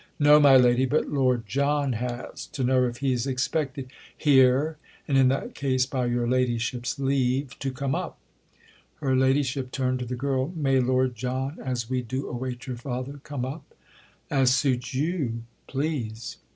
"No, my lady, but Lord John has—to know if he's expected here, and in that case, by your ladyship's leave, to come up." Her ladyship turned to the girl. "May Lord John—as we do await your father—come up?" "As suits you, please!"